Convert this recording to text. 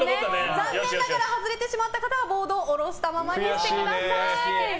残念ながら外れてしまった方はボードを下ろしたままにしてください。